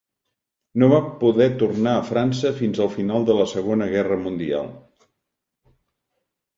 No va poder tornar a França fins al final de la segona guerra mundial.